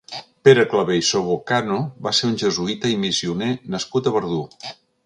Pere Claver i Sobocano va ser un jesuïta i missioner nascut a Verdú.